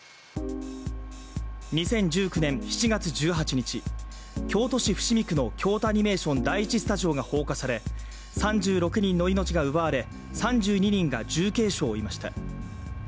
２０１９年７月１８日、京都市伏見区の京都アニメーション第１スタジオが放火され３６人の命が奪われ、３２人が重軽傷を負いました。